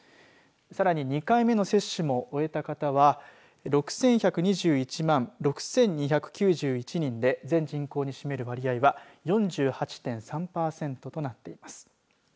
さらに２回目の接種も終えた方は６１２１万６２９１人で全人口に占める割合は４８．３パーセントとなっています。